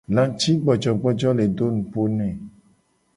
Lacigbojogbojo le do nupo ne.